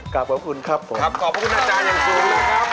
กราบขอบคุณครับผมขอบคุณอาจารย์อย่างสูงนะครับพูดดี